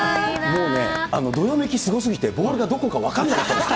もうね、どよめきすごすぎて、ボールがどこか分かんなかったです。